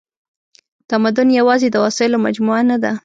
تمدن یواځې د وسایلو مجموعه نهده.